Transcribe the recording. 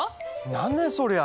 何ねそりゃ！